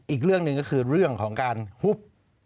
อีกเรื่องหนึ่งก็คือเรื่องของการฮุบ